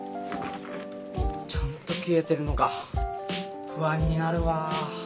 ちゃんと切れてるのか不安になるわ。